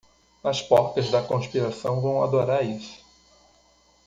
As porcas da conspiração vão adorar isso.